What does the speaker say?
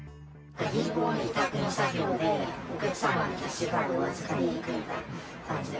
銀行の委託の作業で、お客様のキャッシュカードを預かりに行くみたいな感じで。